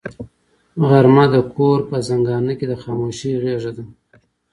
غرمه د کور په زنګانه کې د خاموشۍ غېږه ده